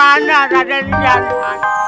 ini tidak baik